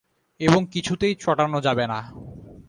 এবং কিছুতেই চটানো যাবে না।